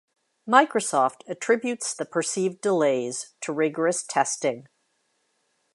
Microsoft attributes the perceived delays to rigorous testing.